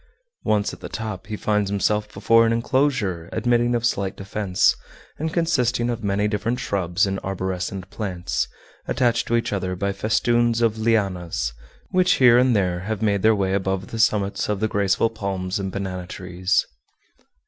Once at the top he finds himself before an inclosure admitting of slight defense, and consisting of many different shrubs and arborescent plants, attached to each other by festoons of lianas, which here and there have made their way abgove the summits of the graceful palms and banana trees.